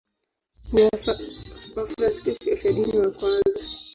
Ndio Wafransisko wafiadini wa kwanza.